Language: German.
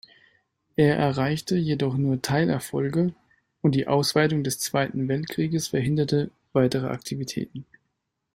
Er erreichte jedoch nur Teilerfolge, und die Ausweitung des Zweiten Weltkrieges verhinderte weitere Aktivitäten.